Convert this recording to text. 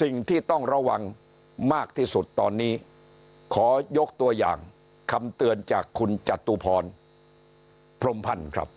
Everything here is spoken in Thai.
สิ่งที่ต้องระวังมากที่สุดตอนนี้ขอยกตัวอย่างคำเตือนจากคุณจตุพรพรมพันธ์ครับ